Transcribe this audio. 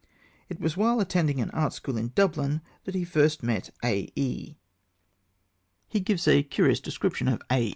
It was while attending an art school in Dublin that he first met A.E. He gives us a curious description of A.